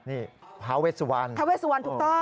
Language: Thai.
นี่พระเวชวรพระเวชวรถูกต้อง